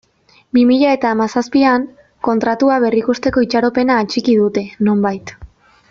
Bi mila eta hamazazpian Kontratua berrikusteko itxaropena atxiki dute, nonbait.